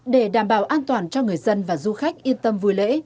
để đảm bảo an toàn cho người dân và du khách yên tâm vui lễ